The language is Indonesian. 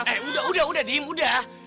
eh udah udah dim udah